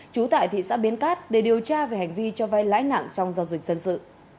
trú tại thị xã bến cát để điều tra về hành vi cho vay lãi nặng trong giao dịch dân sự